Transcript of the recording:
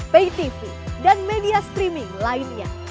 paytv dan media streaming lainnya